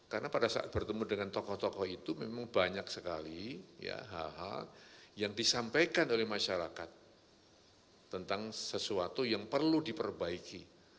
karena pada saat bertemu dengan tokoh tokoh itu memang banyak sekali ya hal hal yang disampaikan oleh masyarakat tentang sesuatu yang perlu diperbaiki